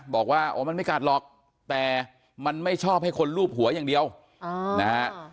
บอกว่าโอ้มันไม่กัดหรอกแต่มันไม่ชอบให้คนรูปหัวอย่างเดียวนะฮะ